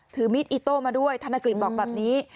ถือมีดอิโต้มาด้วยธนกฤษบอกแบบนี้